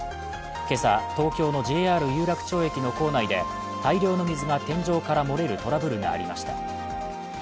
今朝、東京のＪＲ有楽町駅の構内で大量の水が天井から漏れるトラブルがありました。